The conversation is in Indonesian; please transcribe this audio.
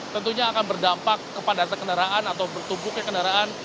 tentunya akan berdampak ke padatan kendaraan atau bertubuh ke kendaraan